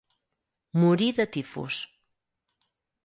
Morí de tifus.